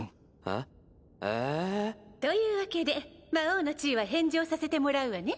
というわけで魔王の地位は返上させてもらうわね。